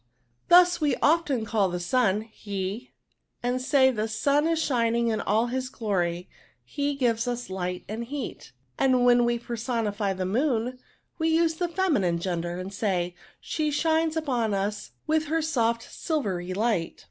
Thus, we often call the sun, he^ and say, the ' sun is shining in all his glory ; he gives us light and heat;* and when we personify the moon, we use the feminine gender, and say, ^ she shines^ upon us with her soft silvery light.'